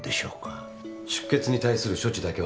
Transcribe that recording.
出血に対する処置だけは行います。